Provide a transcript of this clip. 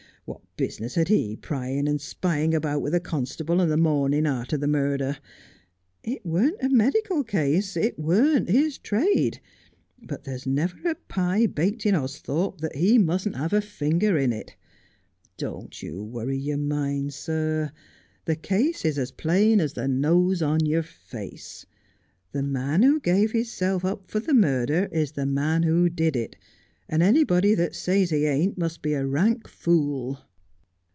What business had he prying and spying about with the constable on the morning arter the murder ? It weren't a medical case — it weren't his trade — but there's never a pie baked in Austhorpe that he musn't have a finger in it. Don't you worry your mind, sir. The case is as plain as the nose on your face. The man who gave hisself up for the murder is the man who did it, and anybody that says he ain't must be a rank fool.'